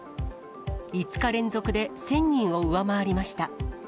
５日連続で１０００人を上回りました。